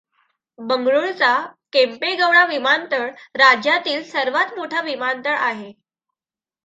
बंगळूरचा केंपेगौडा विमानतळ राज्यातील सर्वात मोठा विमानतळ आहे.